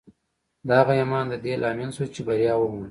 د هغه ایمان د دې لامل شو چې بریا ومومي